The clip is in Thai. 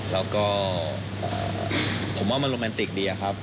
แล้วก็ผมว่ามันโรแมนติกดีอะครับ